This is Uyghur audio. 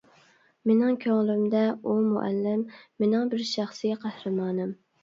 مېنىڭ كۆڭلۈمدە ئۇ مۇئەللىم مېنىڭ بىر شەخسىي قەھرىمانىم.